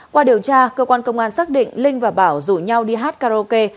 qua điều tra cơ quan công an xác định linh và bảo rủ nhau đi hát karaoke